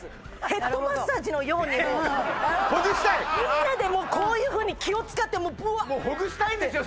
ヘッドマッサージのようにもうほぐしたいみんなでもうこういうふうに気を使ってブワーッてほぐしたいんですよ